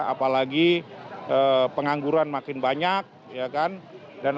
apalagi pengangguran makin banyak ya kan